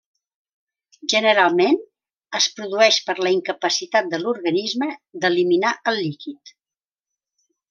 Generalment, es produeix per la incapacitat de l'organisme d'eliminar el líquid.